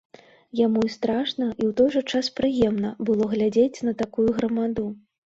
Яму і страшна і ў той жа час прыемна было глядзець на такую грамаду.